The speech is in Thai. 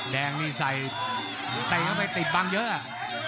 แดงนี่ใส่แต่ยังไปติดบังเยอะ